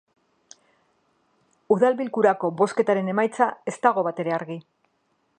Udal bilkurako bozketaren emaitza ez dago batere argi.